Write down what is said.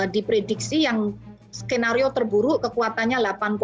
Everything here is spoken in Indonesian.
diprediksi yang skenario terburuk kekuatannya delapan tujuh